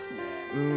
うん。